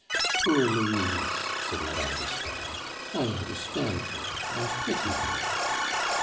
"Poor Louise!" said Madame d'Espard. "I understand her and pity her."